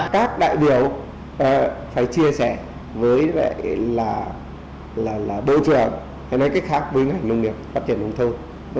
các đại biểu phải chia sẻ với bộ trưởng hay nói cách khác với nông nghiệp phát triển nông thôn